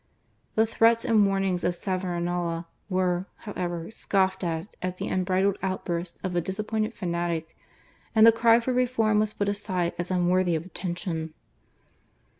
The threats and warnings of Savonarola were, however, scoffed at as the unbridled outbursts of a disappointed fanatic, and the cry for reform was put aside as unworthy of attention.